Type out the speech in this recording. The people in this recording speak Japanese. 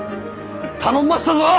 頼みましたぞ。